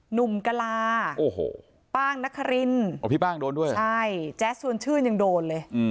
หนุ่มกะลาโอ้โหป้างนครินโอ้พี่ป้างโดนด้วยใช่แจ๊สชวนชื่นยังโดนเลย